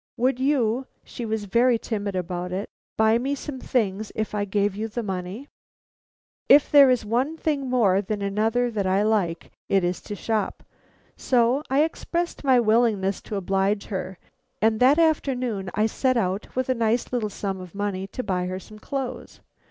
'Would you' she was very timid about it 'buy me some things if I gave you the money?' "If there is one thing more than another that I like, it is to shop, so I expressed my willingness to oblige her, and that afternoon I set out with a nice little sum of money to buy her some clothes.